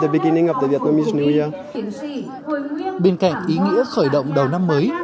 bên cạnh ý nghĩa khởi động đầu năm mới